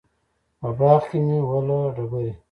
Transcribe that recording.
په باغ کې مه وله ډبري